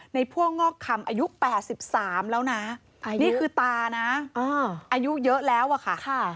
พ่วงงอกคำอายุ๘๓แล้วนะนี่คือตานะอายุเยอะแล้วอะค่ะ